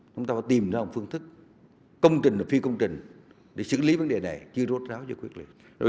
chúng ta phải tìm ra một phương thức công trình và phi công trình để xử lý vấn đề này chứ rốt ráo cho quyết liệu